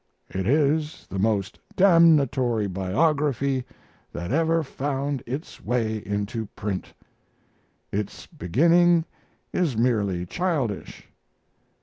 It is the most damnatory biography that ever found its way into print. Its beginning is merely childish.